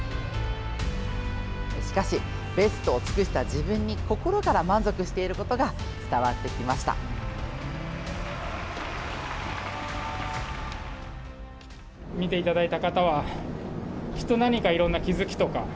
しかし、ベストを尽くした自分に心から満足していることが伝わってきました。